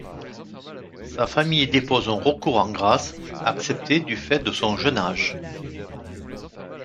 Sa famille dépose un recours en grâce, accepté du fait de son jeune âge.